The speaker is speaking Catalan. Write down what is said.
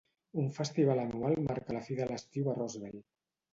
Un festival anual marca la fi de l'estiu a Rossville.